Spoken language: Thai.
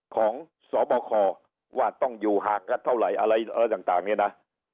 ของสวบคว่าต้องอยู่หากะเท่าไหร่อะไรอะไรต่างต่างเนี้ยนะ